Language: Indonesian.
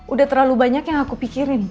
udah terlalu banyak yang aku pikirin